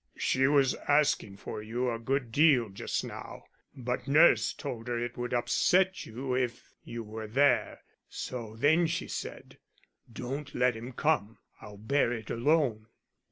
"She was asking for you a good deal just now, but nurse told her it would upset you if you were there; so then she said, 'Don't let him come; I'll bear it alone.